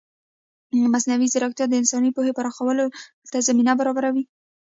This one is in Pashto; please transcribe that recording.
مصنوعي ځیرکتیا د انساني پوهې پراخولو ته زمینه برابروي.